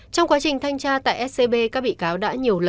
trong quá trình thanh tra tại scb các bị cáo đã nhận được thông tin